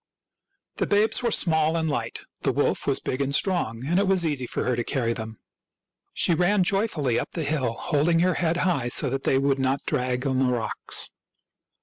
The babes were small and light; the wolf was big and strong, and it was easy for her to carry them. She ran joyfully up the hill, holding her head high so that they would not drag on the rocks.